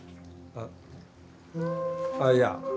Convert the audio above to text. あっいや。